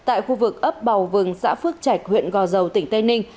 ấp bào vừng xã phước trạch huyện gò dầu tỉnh tây ninh